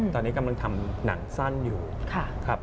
ตอนนี้กำลังทำหนังสั้นอยู่ครับ